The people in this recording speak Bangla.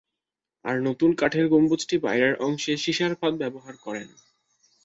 আর নতুন কাঠের গম্বুজটির বাইরের অংশে সীসার পাত ব্যবহার করেন।